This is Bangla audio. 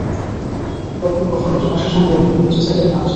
কখনো প্রশ্নপত্র ফাঁসের সঙ্গেও বিভিন্ন কোচিং সেন্টারের নাম এসেছে।